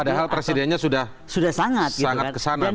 padahal presidennya sudah sangat kesana